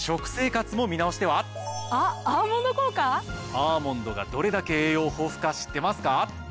アーモンドがどれだけ栄養豊富か知ってますか？